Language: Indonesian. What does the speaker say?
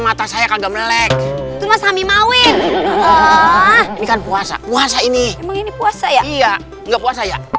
mata saya kagak melek itu mas hami mawin ini kan puasa puasa ini emang ini puasa ya enggak enggak puasa ya